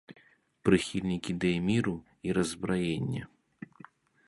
Прыхільнік ідэй міру і раззбраення.